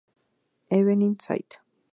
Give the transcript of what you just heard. Evelyn St.